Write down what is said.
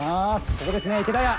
ここですね池田屋。